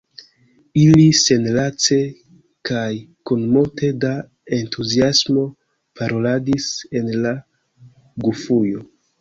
Ili senlace kaj kun multe da entuziasmo paroladis en la Gufujo.